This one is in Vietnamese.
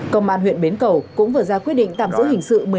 công an huyện bến cầu cũng vừa ra quyết định tạm giữ hình sự